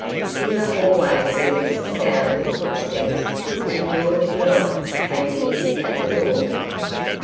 In the hallway there was the sound of footsteps and George Willard came in at the door.